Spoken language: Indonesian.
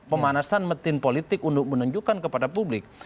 pemanasan metin politik untuk menunjukkan kepada publik